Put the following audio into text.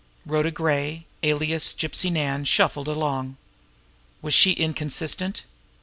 Rhoda Gray, alias Gypsy Nan, scuffled along. Was she inconsistent?